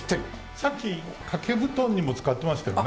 さっき、掛け布団にも使ってましたよね？